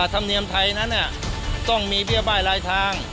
ธรรมเนียมไทยนั้นต้องมีเบี้ยบ้ายลายทาง